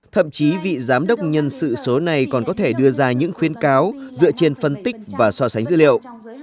thậm chí vị giám đốc nhân sự số này còn có thể đưa ra những khuyên cáo dựa trên phân tích và so sánh dữ liệu